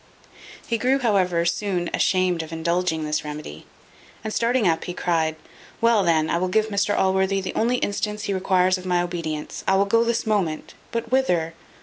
He grew, however, soon ashamed of indulging this remedy; and starting up, he cried, "Well, then, I will give Mr Allworthy the only instance he requires of my obedience. I will go this moment but whither?